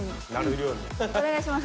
お願いします。